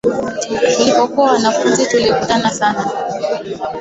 Tulipokuwa wanafunzi tulikutana sana